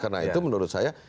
karena itu menurut saya